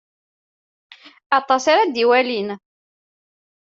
Atas ara d-iwalin.